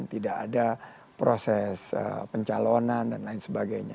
tidak ada proses pencalonan dan lain sebagainya